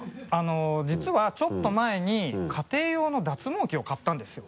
実はちょっと前に家庭用の脱毛器を買ったんですよ。